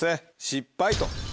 失敗と。